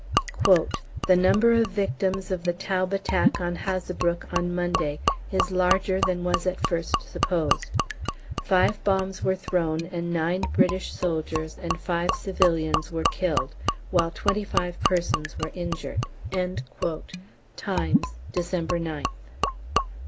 "The number of victims of the Taube attack on Hazebrouck on Monday is larger than was at first supposed. Five bombs were thrown and nine British soldiers and five civilians were killed, while 25 persons were injured." 'Times,' Dec. 9th.